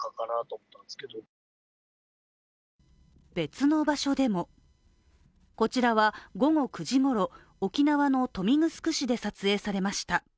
別の場所でもこちらは、午後９時ごろ、沖縄の豊見城市で撮影されました。